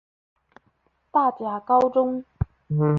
大甲高中